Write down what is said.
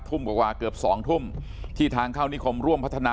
ทุ่มกว่าเกือบ๒ทุ่มที่ทางเข้านิคมร่วมพัฒนา